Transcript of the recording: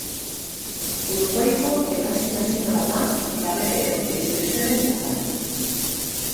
Uruguaiko hegazti nazionala da eta bere errugbi selekzioaren ikurra.